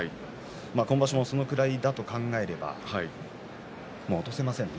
今場所もそのくらいだと考えれば落とせませんね。